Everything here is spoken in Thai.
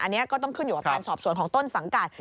อันนี้ก็ต้องขึ้นอยู่กับการสอบสวนของต้นสังกัด